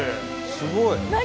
すごい。何？